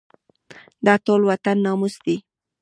دا ټول وطن ناموس دی.